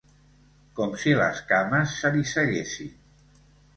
Com si les cames se li seguessin